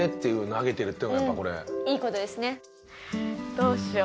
どうしよう。